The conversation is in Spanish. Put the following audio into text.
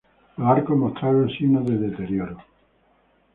Los arcos mostraron signos de deterioro.